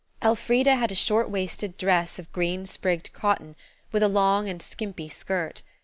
Elfrida had a short waisted dress of green sprigged cotton, with a long and skimpy skirt.